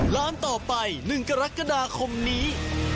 ร้านต่อไป๑กรกฎาคมนี้